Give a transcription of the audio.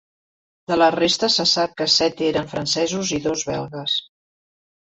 De la resta se sap que set eren francesos i dos belgues.